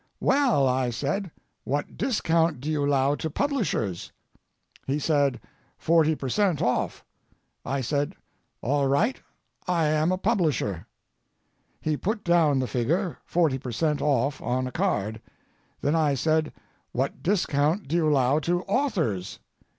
"Well," I said, "what discount do you allow to publishers?" He said: "Forty percent. off." I said: "All right, I am a publisher." He put down the figure, forty per cent. off, on a card. Then I said: "What discount do you allow to authors?"